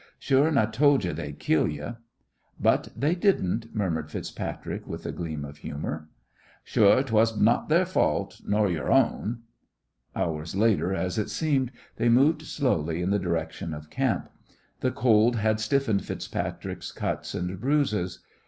Sure an' I tole ye they'd kill ye!" "But they didn't," muttered FitzPatrick with a gleam of humour. "Sure 'twas not their fault nor yer own!" Hours later, as it seemed, they moved slowly in the direction of camp. The cold had stiffened FitzPatrick's cuts and bruises.